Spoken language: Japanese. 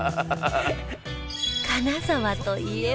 金沢といえば